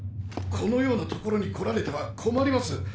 このような所に来られては困ります。